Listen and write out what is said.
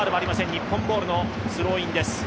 日本ボールのスローインです。